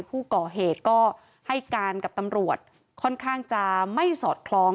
ผู้ก่อเหตุก็ให้การกับตำรวจค่อนข้างจะไม่สอดคล้อง